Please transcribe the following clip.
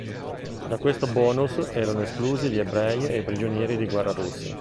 Da questo "bonus" erano esclusi gli ebrei e i prigionieri di guerra russi.